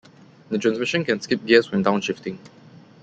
The transmission can skip gears when downshifting.